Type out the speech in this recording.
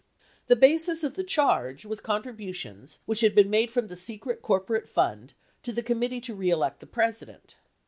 The basis of the charge was contributions which had been made from the secret corporate fund to the Committee To Re Elect the President.